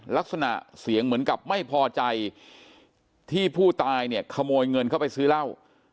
ลักษณะเสียงเหมือนกับไม่พอใจที่ผู้ตายเนี่ยขโมยเงินเข้าไปซื้อเหล้า